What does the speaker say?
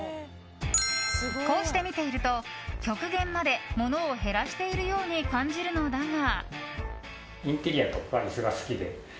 こうして見ていると極限まで物を減らしているように感じるのだが。